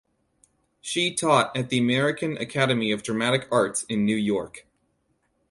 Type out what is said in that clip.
She taught at the American Academy of Dramatic Arts in New York.